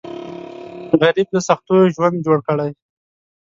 غریب له سختیو ژوند جوړ کړی